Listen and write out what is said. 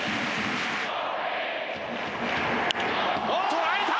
捉えた！